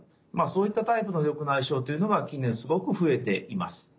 そういったタイプの緑内障というのが近年すごく増えています。